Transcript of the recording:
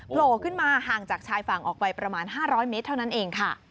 โผล่ขึ้นมาห่างจากชายฝั่งออกไปประมาณ๕๐๐เมตรเท่านั้นเองค่ะ